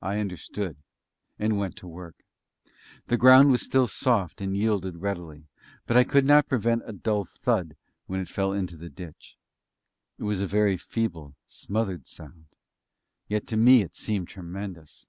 I understood, and went to work. The ground was still soft and yielded readily; but I could not prevent a dull thud when it fell into the ditch. It was a very feeble smothered sound ... and yet to me it seemed tremendous!